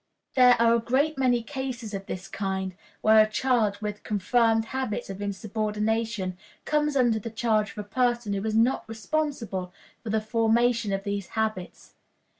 There are a great many cases of this kind, where a child with confirmed habits of insubordination comes under the charge of a person who is not responsible for the formation of these habits.